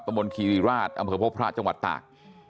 ประมวลคีรีราชอำเภพพระจังหวัดตาก